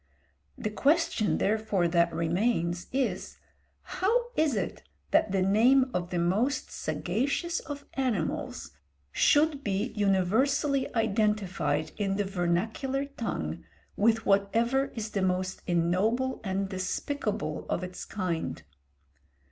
The question therefore that remains is, how it is that the name of the most sagacious of animals should be universally identified in the vernacular tongue with whatever is the most ignoble and despicable of its kind?